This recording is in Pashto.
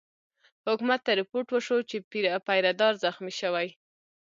حکومت ته رپوټ وشو چې پیره دار زخمي شوی.